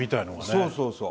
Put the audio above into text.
そうそうそう。